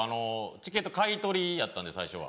チケット買い取りやったんで最初は。